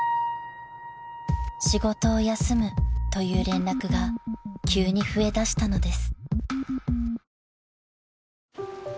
［仕事を休むという連絡が急に増えだしたのです］